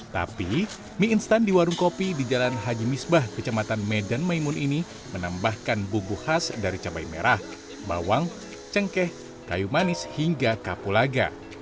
tapi mie instan di warung kopi di jalan haji misbah kecamatan medan maimun ini menambahkan bubu khas dari cabai merah bawang cengkeh kayu manis hingga kapulaga